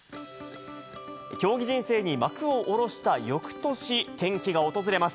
競技人生に幕を下ろしたよくとし、転機が訪れます。